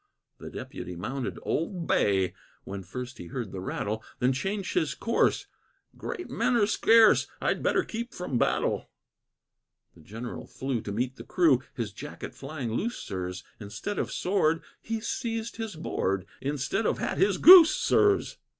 The Deputy mounted "Old Bay," When first he heard the rattle, Then changed his course "Great men are scarce, I'd better keep from battle." The General flew to meet the crew, His jacket flying loose, sirs; Instead of sword, he seized his board; Instead of hat, his goose, sirs.